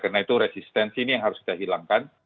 karena itu resistensi ini yang harus kita hilangkan